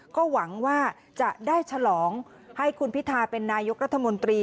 ก็หวังว่าจะได้ฉลองให้คุณพิทาเป็นนายกรัฐมนตรี